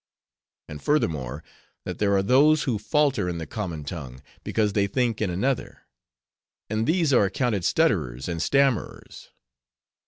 And furthermore, that there are those who falter in the common tongue, because they think in another; and these are accounted stutterers and stammerers.